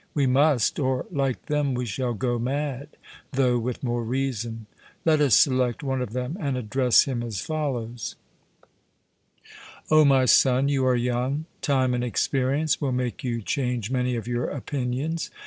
We must; or like them we shall go mad, though with more reason. Let us select one of them and address him as follows: O my son, you are young; time and experience will make you change many of your opinions.